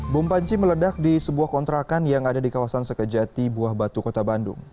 bom panci meledak di sebuah kontrakan yang ada di kawasan sekejati buah batu kota bandung